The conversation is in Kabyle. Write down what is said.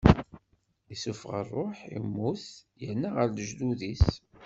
Issufeɣ ṛṛuḥ, immut, yerna ɣer lejdud-is.